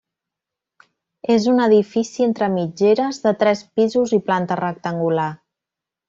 És un edifici entre mitgeres de tres pisos i planta rectangular.